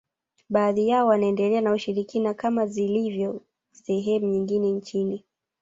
Baadhi yao wanaendelea na ushirikina kama zilivyo sehemu nyingine nchini